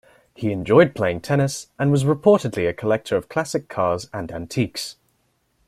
He enjoyed playing tennis and was reportedly a collector of classic cars and antiques.